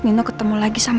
nino ketemu lagi sama